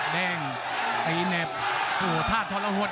แบงไอ้เหน็บ